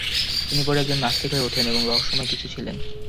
তিনি পরে একজন নাস্তিক হয়ে ওঠেন এবং রহস্যময় কিছু ছিলেন।